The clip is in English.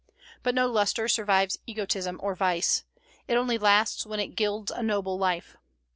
But no lustre survives egotism or vice; it only lasts when it gilds a noble life.